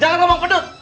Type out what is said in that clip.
jangan ngomong pedut